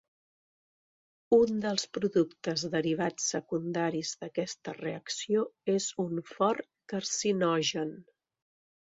Un dels productes derivats secundaris d'aquesta reacció és un fort carcinogen.